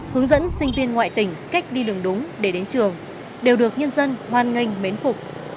hướng dẫn sinh viên ngoại tỉnh cách đi đường đúng để đến trường đều được nhân dân hoan nghênh mến phục